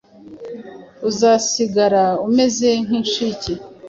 Uzasigara umeze nk’inshike